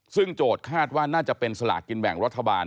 ซึ่งโจทย์คาดว่าน่าจะเป็นสลากกินแบ่งรัฐบาล